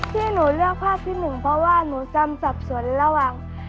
ที่หนูเลือกภาพที่หนึ่งเพราะว่าหนูจำสับสนระหว่าง